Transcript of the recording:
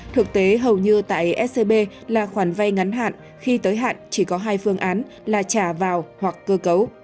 thực tế hầu như tại scb là khoản vay ngắn hạn khi tới hạn chỉ có hai phương án là trả vào hoặc cơ cấu